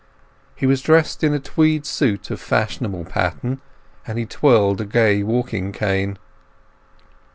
He was dressed in a tweed suit of fashionable pattern, and he twirled a gay walking cane.